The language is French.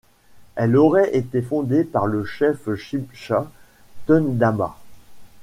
Elle aurait été fondée par le chef chibcha Tundama.